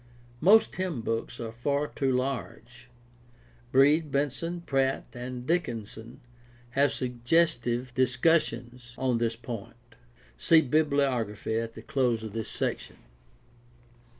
Most hymnbooks are far too large. Breed, Benson, Pratt, and Dickinson have suggestive discussions on this point (see bibliography at close of this section).